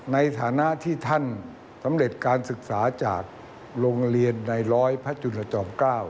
ในฐานะที่ท่านสำเร็จการศึกษาจากโรงเรียนในร้อยพระจุลจอม๙